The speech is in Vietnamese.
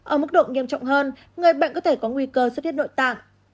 ở mức độ nghiêm trọng hơn người bệnh có thể có nguy cơ xuất huyết nội tạng